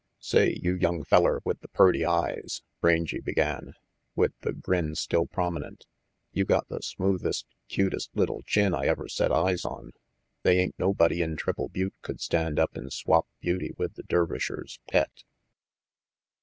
"Say, you young feller with the purty eyes," Rangy began, with the grin still prominent, "you got the smoothest, cutest little chin I ever set eyes on. They ain't nobody in Triple Butte could stand up and swap beauty with the Dervishers' pet.